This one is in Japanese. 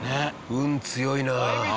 運強いな！